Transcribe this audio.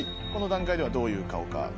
この段階ではどういう顔か？